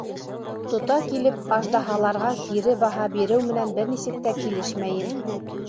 Тота килеп аждаһаларға кире баһа биреү менән бер нисек тә килешмәйем.